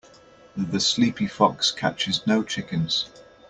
The sleepy fox catches no chickens.